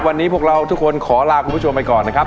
วันนี้พวกเราทุกคนขอลาคุณผู้ชมไปก่อนนะครับ